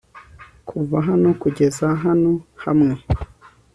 kuva hano kugeza hano hamwe